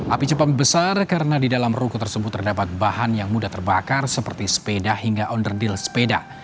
api cepat besar karena di dalam ruko tersebut terdapat bahan yang mudah terbakar seperti sepeda hingga onderdeal sepeda